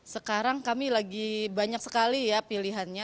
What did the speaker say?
sekarang kami lagi banyak sekali ya pilihannya